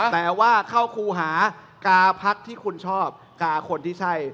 แต่ว่าเข้าครูหากาพักที่คุณชอบกาคนที่ใช่